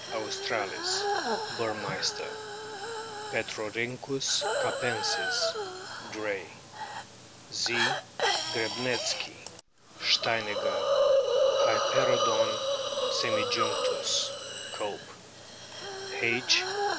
australis, Burmeister ; Petrorkynchus capensis, Gray ; Z. grebnitzkii, Stej neger ; Hyperoodon semijunctus, Cope ; H.